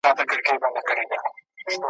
اوبه به را سي پکښي به ځغلي `